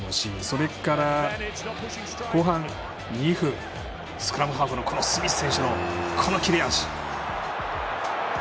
それから、後半２分スクラムハーフのスミス選手のこの切れ味。